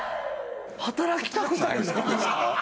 働きたくないんですか？